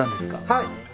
はい！